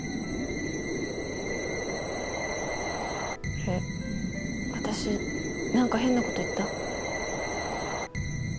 えっ私何か変なこと言った？